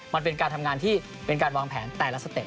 มันเป็นการทำงานที่เป็นการวางแผนแต่ละสเต็